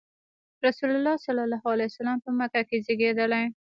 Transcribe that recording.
رسول الله ﷺ په مکه کې زېږېدلی.